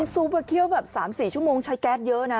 ซุปเคี่ยวแบบ๓๔ชั่วโมงใช้แก๊สเยอะนะ